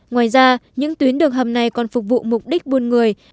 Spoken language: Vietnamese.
ngoài ra những tuyến đường hầm này còn phục vụ mục đích buôn người